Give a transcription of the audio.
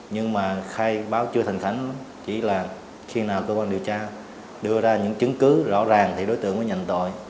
nhưng mà khai báo chưa thành thánh chỉ là khi nào cơ quan điều tra đưa ra những chứng cứ rõ ràng thì đối tượng mới nhận tội